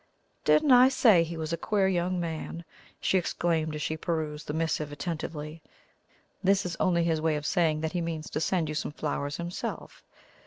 "Didn't I say he was a queer young man?" she exclaimed, as she perused the missive attentively. "This is only his way of saying that he means to send you some flowers himself.